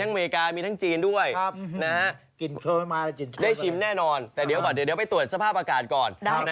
เป็นแรกการทั้งเวลาจากคลิดูฝนก่อน